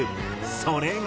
それが。